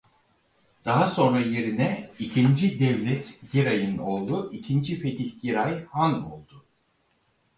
Daha sonra yerine ikinci Devlet Giray'ın oğlu ikinci Fetih Giray han oldu.